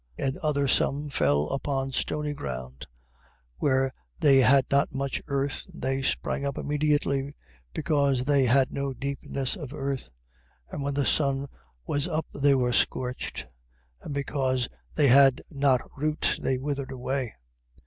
13:5. And other some fell upon stony ground, where they had not much earth: and they sprung up immediately, because they had no deepness of earth. 13:6. And when the sun was up they were scorched: and because they had not root, they withered away.